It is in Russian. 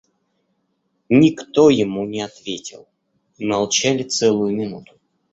Никто ему не ответил; молчали целую минуту.